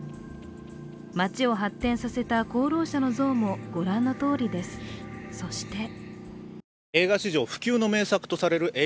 街を発展させた功労者の像も御覧のとおりです、そして映画史上不朽の名作とされる